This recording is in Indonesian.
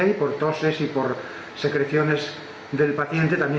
dan juga bisa dikonsumsi oleh tos dan sekresi pasien